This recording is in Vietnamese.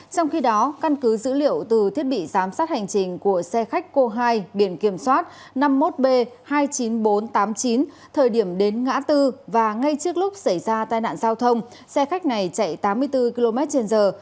trong khi đó căn cứ dữ liệu từ thiết bị giám sát hành trình của xe khách cô hai biển kiểm soát năm mươi một b hai mươi chín nghìn bốn trăm tám mươi chín thời điểm đến ngã tư và ngay trước lúc xảy ra tai nạn giao thông xe khách này chạy tám mươi bốn km trên giờ